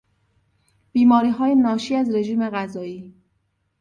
بیماریهای ناشی از رژیم غذایی